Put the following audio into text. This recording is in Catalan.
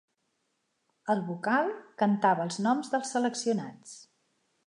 El vocal cantava els noms dels seleccionats.